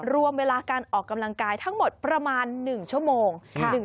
รวมเวลาการออกกำลังกายทั้งหมดประมาณ๑ชั่วโมง